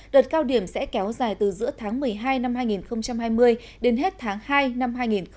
đợt cao điểm sẽ kéo dài từ giữa tháng một mươi hai năm hai nghìn hai mươi đến hết tháng hai năm hai nghìn hai mươi một